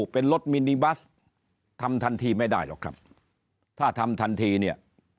เป็นรถมินิบัสทำทันทีไม่ได้หรอกครับถ้าทำทันทีเนี่ย